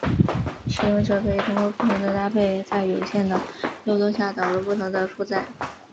使用者可以通过不同的搭配在有限的漏洞下导入不同的负载。